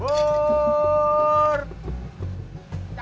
pur yang hijau